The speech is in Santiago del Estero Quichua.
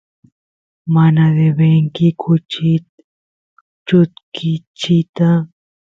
mana devenki kuchit chutkichiyta